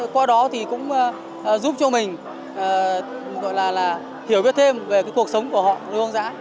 qua đó thì cũng giúp cho mình hiểu biết thêm về cuộc sống của họ lễ hoang dã